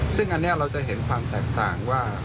ซึ่งอันนี้เราจะเห็นความแตกต่างว่า